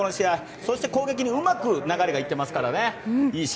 攻撃にうまく流れがいってますからね。